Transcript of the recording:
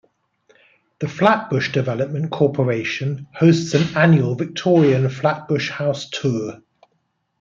The Flatbush Development Corporation hosts an annual Victorian Flatbush House Tour.